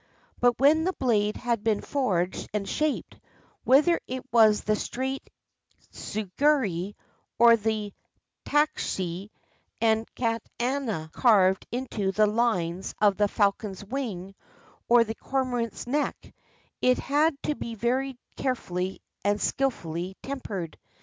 But when the blade had been forged and shaped — whether it were the straight tsuragi or the tachi and katana carved into the lines of "the falcon's wing," or the "cormorant's neck" — it had to be very carefully and skillfully tempered.